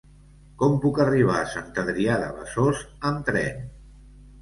Com puc arribar a Sant Adrià de Besòs amb tren?